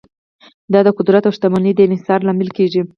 دا د قدرت او شتمنۍ د انحصار لامل کیږي.